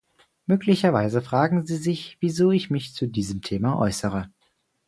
Möglicherweise fragen Sie sich, wieso ich mich zu diesem Thema äußere.